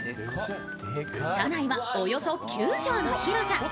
車内はおよそ９畳の広さ。